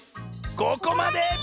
ここまで！